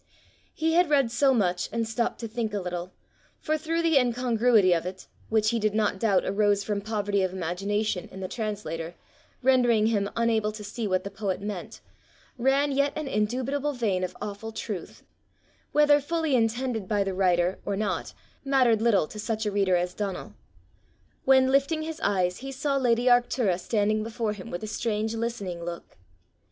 He had read so much, and stopped to think a little; for through the incongruity of it, which he did not doubt arose from poverty of imagination in the translator, rendering him unable to see what the poet meant, ran yet an indubitable vein of awful truth, whether fully intended by the writer or not mattered little to such a reader as Donal when, lifting his eyes, he saw lady Arctura standing before him with a strange listening look.